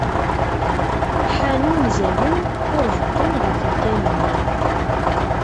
Ḥanun zanun, ur beṭṭunt ɣef lkanun.